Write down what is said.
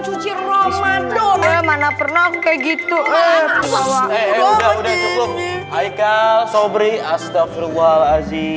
cuci romadonya mana pernah